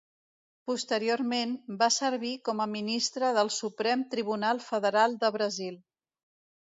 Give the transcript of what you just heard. Posteriorment, va servir com a ministre del Suprem Tribunal Federal de Brasil.